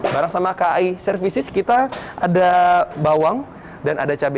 bareng sama kai services kita ada bawang dan ada cabai